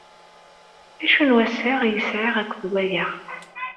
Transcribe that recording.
D acu n wassaɣ ay sɛiɣ akked waya?